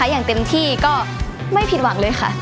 อย่างเต็มที่ก็ไม่ผิดหวังเลยค่ะ